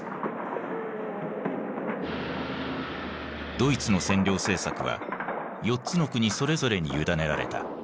ドイツの占領政策は４つの国それぞれに委ねられた。